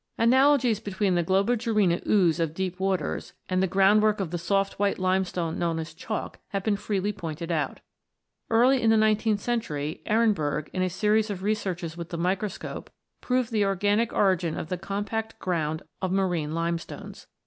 Analogies between the Globigerina ooze of deep waters and the groundwork of the soft white limestone known as Chalk have been freely pointed out. Early in the nineteenth century, Ehrenberg, in a series of re searches with the microscope, proved the organic origin of the compact ground of marine limestones.